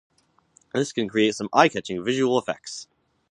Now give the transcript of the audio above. This can create some eye-catching visual effects.